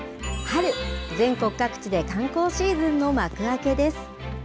春、全国各地で観光シーズンの幕開けです。